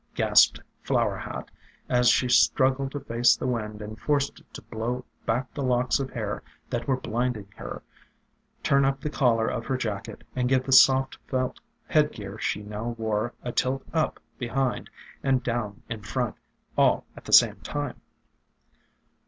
gasped Flower Hat, as she struggled to face the wind and force it to blow back the locks of hair that were blinding her, turn up the collar of her jacket, and give the soft felt headgear she now wore a tilt up behind and down in front, all at the same time.